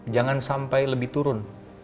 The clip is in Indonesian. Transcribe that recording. jangan sampai lebih turun